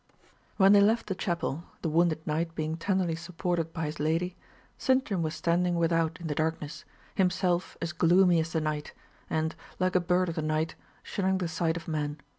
When they left the chapel, the wounded knight being tenderly supported by his lady, Sintram was standing without in the darkness, himself as gloomy as the night, and, like a bird of the night, shunning the sight of men.